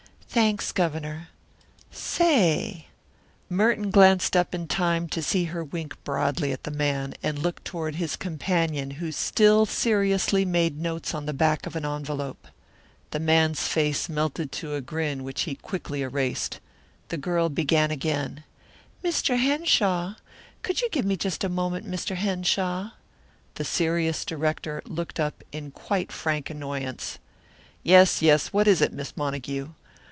"Thanks, Governor. Say " Merton glanced up in time to see her wink broadly at the man, and look toward his companion who still seriously made notes on the back of an envelope. The man's face melted to a grin which he quickly erased. The girl began again: "Mr. Henshaw could you give me just a moment, Mr. Henshaw?" The serious director looked up in quite frank annoyance. "Yes, yes, what is it, Miss Montague?"